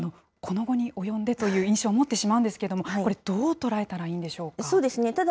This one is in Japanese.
この期に及んでという印象を持ってしまうんですけれども、これ、どう捉えたらいいんでしょうか。